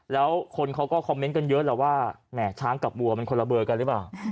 แล้วคนเขาก็คอมเมนต์กันเยอะแหละว่าแหมช้างกับวัวมันคนละเบอร์กันหรือเปล่า